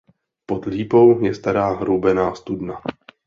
Pod lípou je stará roubená studna.